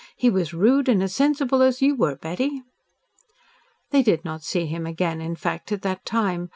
"He was as rude and as sensible as you were, Betty." They did not see him again, in fact, at that time.